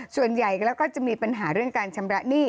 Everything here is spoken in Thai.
ส่วนใหญ่แล้วก็จะมีปัญหาเรื่องการชำระหนี้